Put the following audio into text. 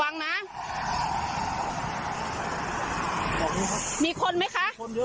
ยิ่งของสัมผัสช่วยจินแท้